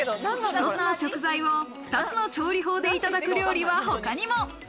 １つの食材を２つの調理法でいただく料理は他にも。